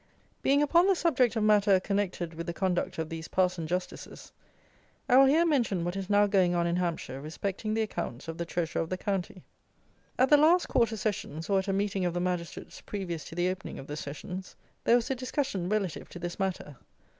Being upon the subject of matter connected with the conduct of these Parson Justices, I will here mention what is now going on in Hampshire respecting the accounts of the Treasurer of the County. At the last Quarter Sessions, or at a Meeting of the Magistrates previous to the opening of the Sessions, there was a discussion relative to this matter.